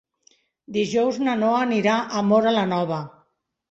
Dijous na Noa anirà a Móra la Nova.